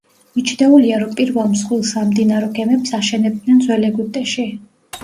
მიჩნეულია, რომ პირველ მსხვილ სამდინარო გემებს აშენებდნენ ძველ ეგვიპტეში.